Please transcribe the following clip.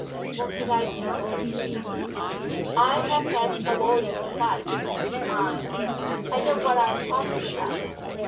What did I do at the inn?" "I have had a lawyer's advice, mind! I know what I am talking about."